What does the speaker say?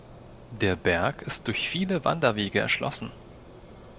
Der Berg ist durch viele Wanderwege erschlossen.